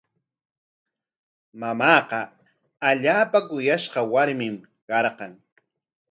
Mamaaqa allaapa kuyashqa warmin karqan.